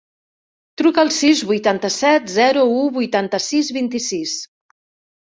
Truca al sis, vuitanta-set, zero, u, vuitanta-sis, vint-i-sis.